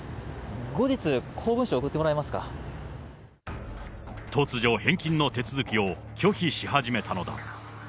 後日、公文書、突如、返金の手続きを拒否し始めたのだ。